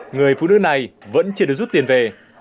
người phụ nữ này vẫn chưa được rút tiền về